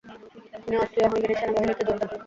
তিনি অস্ট্রিয়-হাঙ্গেরির সেনাবাহিনীতে যোগ দেন।